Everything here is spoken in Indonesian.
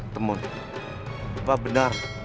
teman pak benar